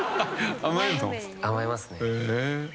甘えますね。